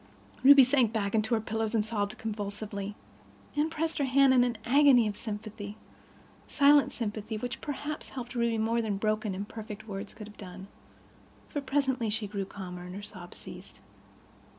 Ruby sank back on her pillows and sobbed convulsively. Anne pressed her hand in an agony of sympathy—silent sympathy, which perhaps helped Ruby more than broken, imperfect words could have done; for presently she grew calmer and her sobs ceased.